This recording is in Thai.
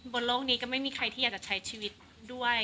บนโลกนี้ก็ไม่มีใครที่อยากจะใช้ชีวิตด้วย